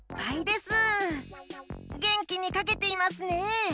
げんきにかけていますね！